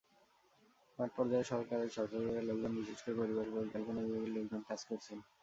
মাঠপর্যায়ে সরকারের স্বাস্থ্য বিভাগের লোকজন বিশেষ করে পরিবার পরিকল্পনা বিভাগের লোকজন কাজ করছেন।